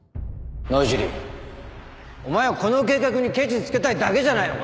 野尻お前はこの計画にケチつけたいだけじゃないのか？